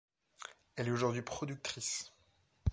Elle est aujourd’hui productrice.